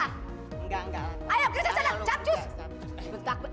ayo kerja sana capcus